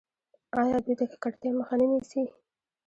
آیا دوی د ککړتیا مخه نه نیسي؟